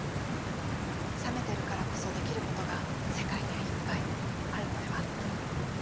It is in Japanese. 冷めてるからこそできることが世界にはいっぱい、あるのでは？